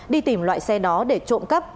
đi tìm loại xe đó để trộm cắp